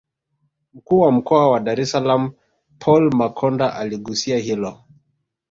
Mkuu wa Mkoa wa Dar es salaam Paul Makonda aligusia hilo